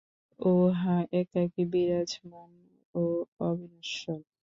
উহা একাকী বিরাজমান ও অবিনশ্বর।